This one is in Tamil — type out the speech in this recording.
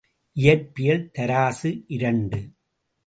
இயற்பியல் தராசு, இரண்டு.